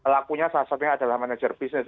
lakunya salah satunya adalah manajer bisnis